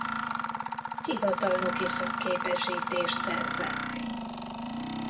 Hivatalnoki szakképesítést szerzett.